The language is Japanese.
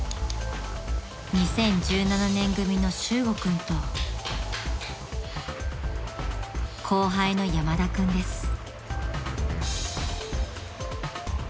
［２０１７年組の修悟君と後輩の山田君です］